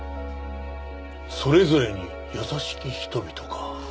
『それぞれに優しき人々』か。